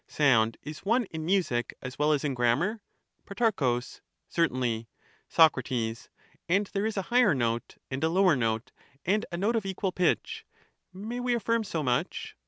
Sound is one in music as well as in grammar ? Pro, Certainly. Soc, And there is a higher note and a lower note, and a note of equal pitch :— may we affirm so much